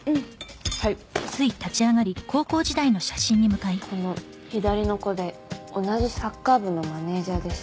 はいこの左の子で同じサッカー部のマネージャーでした